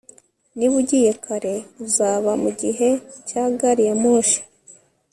niba ugiye kare, uzaba mugihe cya gari ya moshi